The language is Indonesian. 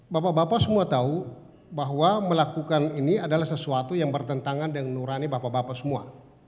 bapak bapak semua tahu bahwa melakukan ini adalah sesuatu yang bertentangan dengan nurani bapak bapak semua